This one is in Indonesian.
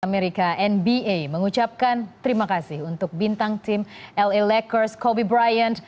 amerika nba mengucapkan terima kasih untuk bintang tim la lakers kobe bryant